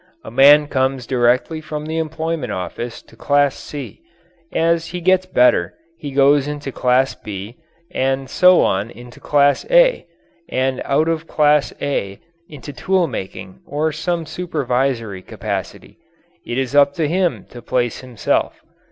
A man comes directly from the employment office to "Class C." As he gets better he goes into "Class B," and so on into "Class A," and out of "Class A" into tool making or some supervisory capacity. It is up to him to place himself.